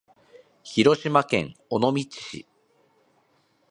広島県尾道市